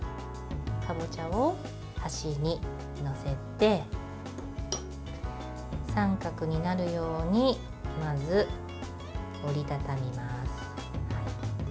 かぼちゃを端に載せて三角になるようにまず折り畳みます。